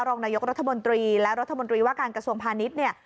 รองนายกรัฐมนตรีและรัฐมนตรีว่าการกระทรวงพาณิชย์เนี่ย